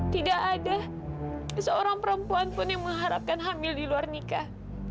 tidak ada seorang perempuan pun yang mengharapkan hamil di luar nikah